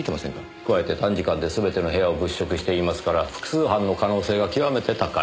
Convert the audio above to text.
加えて短時間で全ての部屋を物色していますから複数犯の可能性が極めて高い。